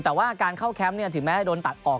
แต่ว่าการเข้าแคมป์ถึงแม้จะโดนตัดออก